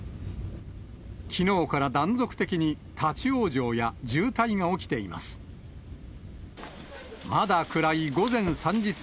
きのうから断続的に、立往生や渋滞が起きています。